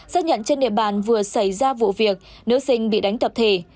xác nhận trên địa bàn vừa xảy ra vụ việc nữ sinh bị đánh tập thể